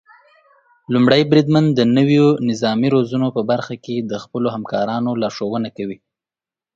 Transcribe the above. لومړی بریدمن د نويو نظامي روزنو په برخه کې د خپلو همکارانو لارښونه کوي.